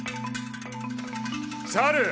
猿！